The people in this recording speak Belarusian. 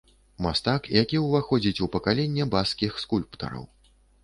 Мастак, які ўваходзіць у пакаленне баскскіх скульптараў.